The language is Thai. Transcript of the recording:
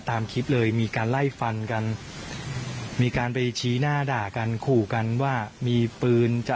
ปากซอยติดกันก็ระแวง